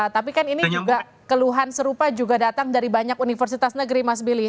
tapi kan ini juga keluhan serupa juga datang dari banyak universitas negeri mas billy